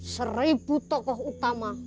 seribu tokoh utama